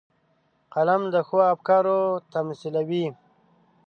قلم د ښو افکارو تمثیلوي